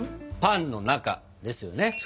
「パンの中」ですよね？